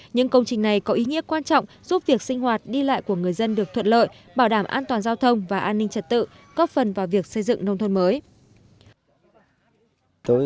những công trình này có ý nghĩa quan trọng giúp việc sinh hoạt đi lại của người dân được thuận lợi bảo đảm an toàn giao thông và an ninh trật tự góp phần vào việc xây dựng nông thôn mới